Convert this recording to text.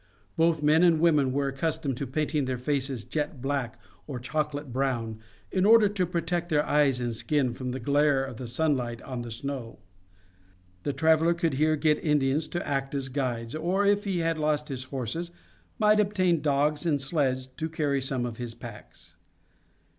Both men and women were accustomed to painting their faces jet black or chocolate brown, in order to protect their eyes and skin from the glare of the sunlight on the snow. The traveler could here get Indians to act as guides, or if he had lost his horses might obtain dogs and sleds to carry some of his packs.